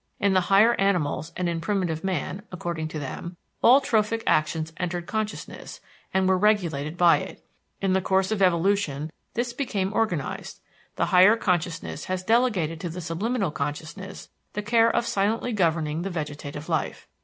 In the higher animals and in primitive man, according to them, all trophic actions entered consciousness and were regulated by it. In the course of evolution this became organized; the higher consciousness has delegated to the subliminal consciousness the care of silently governing the vegetative life.